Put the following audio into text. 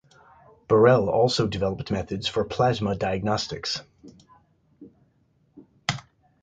Burrell also developed methods for plasma diagnostics.